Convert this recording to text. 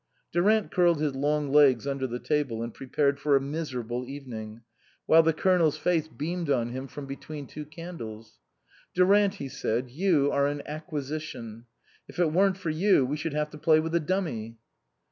Durant curled his long legs under the table and prepared for a miserable evening, while the Colonel's face beamed on him from between two candles. " Durant," he said, " you are an acquisition. If it wasn't for you we should have to play with a dummy."